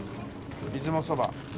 出雲そば。